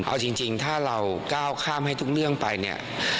เอาจริงถ้าเราก้าวข้ามให้ทุกเรื่องไปเนี่ย